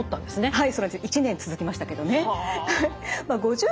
はい。